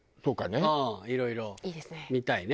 いろいろ見たいね。